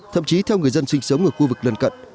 thậm chí theo người dân sinh sống ở khu vực lân cận